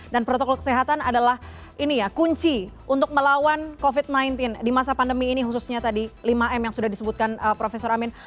protokol kesehatan adalah ini ya kunci untuk melawan covid sembilan belas di masa pandemi ini khususnya tadi lima m yang sudah disebutkan profesor amin